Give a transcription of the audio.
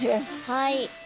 はい。